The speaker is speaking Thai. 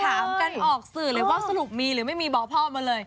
ถามกันออกสื่อเลยว่าสรุปมีหรือไม่มีบอกพ่อมาเลย